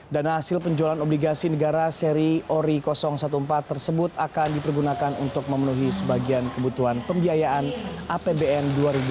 dana hasil penjualan obligasi negara seri ori empat belas tersebut akan dipergunakan untuk memenuhi sebagian kebutuhan pembiayaan apbn dua ribu dua puluh